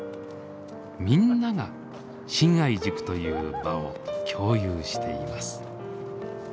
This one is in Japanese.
みんなが「信愛塾」という場を共有しています。